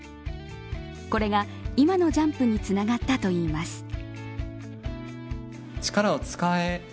これが今のジャンプにつながったといいます。